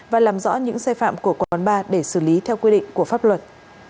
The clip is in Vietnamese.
và làm rõ những xe phạm của quán ba để xử lý theo quy định của pháp luật